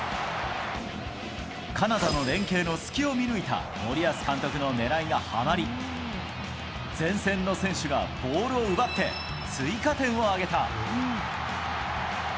カナダの連係の隙を見抜いた森保監督の狙いがはまり、前線の選手がボールを奪って追加点を挙げた。